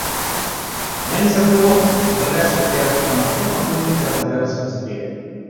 Я не закрыл окна, а говорят, что при открытом окне покойники разлагаются быстрее.